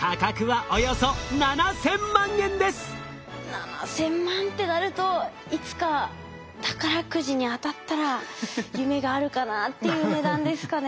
７，０００万ってなるといつか宝くじに当たったら夢があるかなっていう値段ですかね。